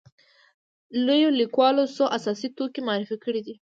لویو لیکوالو څو اساسي توکي معرفي کړي دي.